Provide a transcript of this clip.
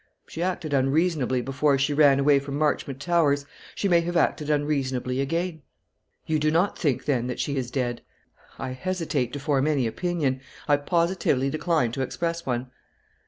She acted unreasonably before when she ran away from Marchmont Towers; she may have acted unreasonably again." "You do not think, then, that she is dead?" "I hesitate to form any opinion; I positively decline to express one."